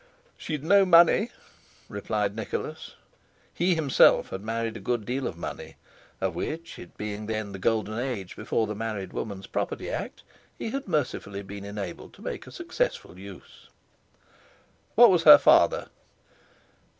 "She'd no money," replied Nicholas. He himself had married a good deal of money, of which, it being then the golden age before the Married Women's Property Act, he had mercifully been enabled to make a successful use. "What was her father?"